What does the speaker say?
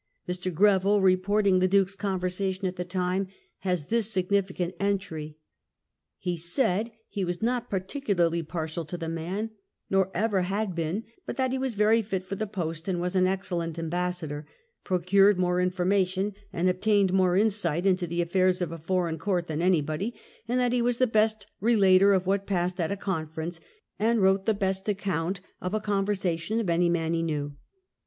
Mr. Greville, reporting the Duke's conversation at the time, has this significant entry :" He said he was not particularly partial to the man, nor ever had been ; but that he was very fit for the post, waa an excellent ambassador, procured more information and obtained more insight into the affairs of a foreign court than anybody, and that he was the best relator of what passed at a conference, and wrote the best account of a conversation of any man he knew.''